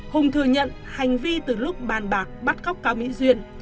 vương văn hùng bắt cóc cao mỹ duyên